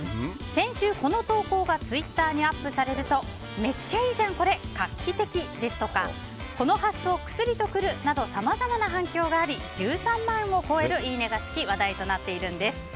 先週、この投稿がツイッターにアップされるとめっちゃいいじゃんこれ画期的ですとかこの発想、くすりとくるなどさまざまな反響があり１３万を超えるいいねがつき話題となっているんです。